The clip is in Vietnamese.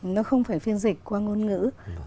nó không phải phiên dịch qua ngôn ngữ